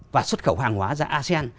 và xuất khẩu hàng hóa ra asean